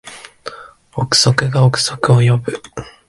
憶測が憶測を呼ぶ